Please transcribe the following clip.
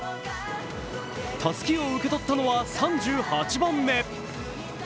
たすきを受け取ったのは３８番目。